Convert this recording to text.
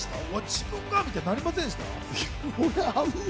自分が？ってなりませんでした？